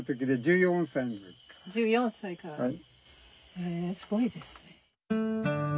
へえすごいですね。